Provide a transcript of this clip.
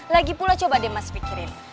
lagi pula coba deh mas pikirin